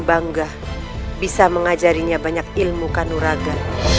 bangga bisa mengajarinya banyak ilmu kanuraga